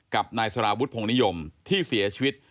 กับนายสารวุฒิพงนิยมที่เสียชีวิต